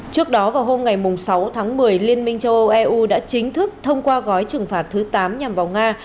trước đó vào hôm ngày sáu tháng một mươi liên minh châu âu eu đã chính thức thông qua gói trừng phạt thứ tám nhằm vào nga